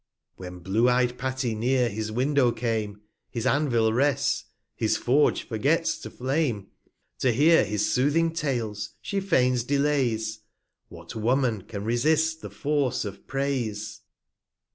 When blue ey'd Patty near his Window came, His Anvil rests, his Forge forgets to flame. To hear his soothing Tales, she feigns Delays ; What Woman can resist the Force of Praise?